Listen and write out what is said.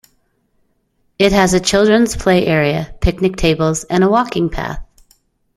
It has a Childrens Play Area, Picnic Tables, and a Walking Path.